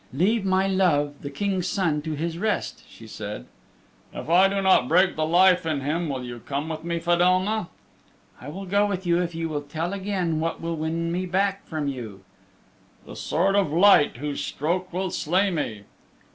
"Leave my love, the King's Son, to his rest," she said. "If I do not break the life in him will you come with me, Fedelma?" "I will go with you if you tell again what will win me back from you." "The Sword of Light whose stroke will slay me."